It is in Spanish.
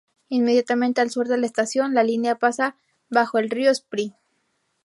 Inmediatamente al sur de la estación la línea pasa bajo el Río Spree.